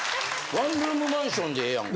ワンルームマンションでええやん。